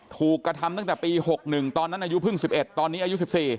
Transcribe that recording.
ถูกกระทำตั้งแต่ปี๖๑ตอนนั้นอายุเพิ่ง๑๑ตอนนี้อายุ๑๔